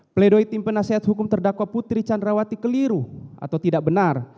pledoi tim penasehat hukum terdakwa putri candrawati keliru atau tidak benar